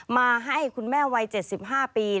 มาให้คุณแม่วัย๗๕ปี